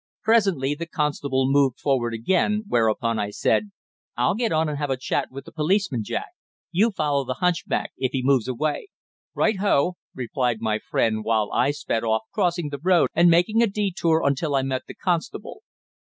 Presently the constable moved forward again, whereupon I said "I'll get on and have a chat with the policeman, Jack. You follow the hunchback if he moves away." "Right ho," replied my friend, while I sped off, crossing the road and making a detour until I met the constable.